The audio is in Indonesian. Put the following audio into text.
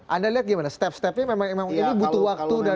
anda lihat gimana step stepnya memang ini butuh waktu dan